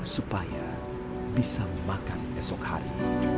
supaya bisa makan esok hari